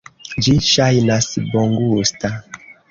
Ĝi ŝajnas bongusta.